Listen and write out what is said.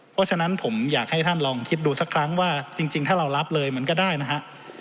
เพราะฉะนั้นผมอยากให้ท่านลองคิดดูสักครั้งว่าจริงถ้าเรารับเลยมันก็ได้นะฮะ